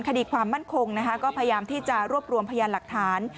คดีความมั่นคงก็พยายามที่จะรวบรวมพยานหลักฐาน